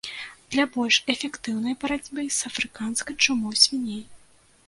Для больш эфектыўнай барацьбы з афрыканскай чумой свіней.